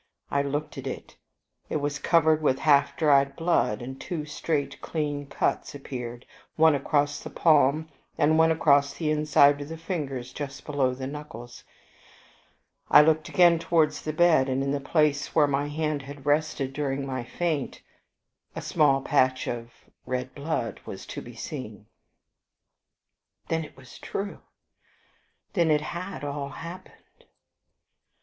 I looked at it. It was covered with half dried blood, and two straight clean cuts appeared, one across the palm and one across the inside of the fingers just below the knuckles. I looked again towards the bed, and, in the place where my hand had rested during my faint, a small patch of red blood was to be seen. Then it was true! Then it had all happened!